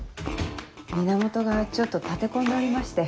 源がちょっと立て込んでおりまして。